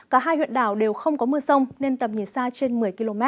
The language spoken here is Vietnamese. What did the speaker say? cả hai huyện đảo đều không có mưa sông nên tầm nhìn xa trên một mươi km